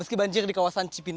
meski banjir di kawasan cipinang